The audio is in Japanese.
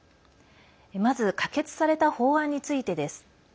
まず可決された法案についてです。